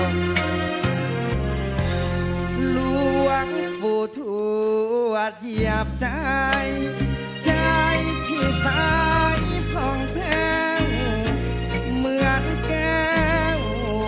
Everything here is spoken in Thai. หลวงปู่ทวดเหยียบใจใจพี่สายผ่องแพงเหมือนแก้ว